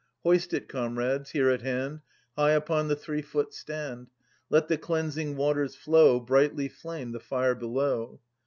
Hoist it, comrades, here at hand, High upon the three foot stand! Let the cleansing waters flow ; Brightly flame the fire below